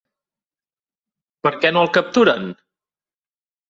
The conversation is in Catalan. Per què no el capturen?